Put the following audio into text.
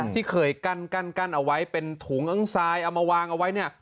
ที่เคยกั้นเอาไว้เป็นถุงอังทรายเอามาวางเอาไว้เนี่ย